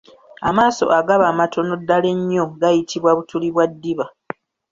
Amaaso agaba amatono ddala ennyo gayitibwa butuli bwa ddiba.